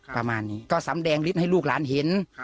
ประมาณนี้ก็สำแดงฤทธิ์ให้ลูกหลานเห็น